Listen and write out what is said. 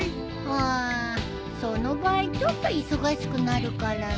うーんその場合ちょっと忙しくなるからね。